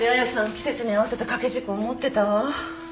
季節に合わせた掛け軸を持ってたわ。